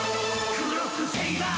クロスセイバー！」